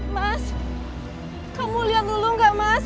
mas kamu lihat lulu enggak mas